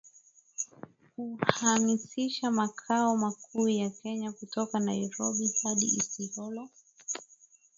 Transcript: Kuhamisha makao makuu ya Kenya kutoka Nairobi hadi Isiolo